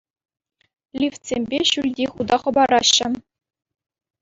Лифтсемпе ҫӳлти хута хӑпараҫҫӗ.